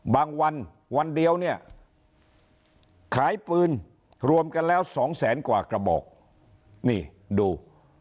วันวันเดียวเนี่ยขายปืนรวมกันแล้วสองแสนกว่ากระบอกนี่ดู